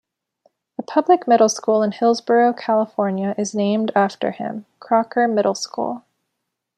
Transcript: The public middle school in Hillsborough, California is named after him, Crocker Middle School.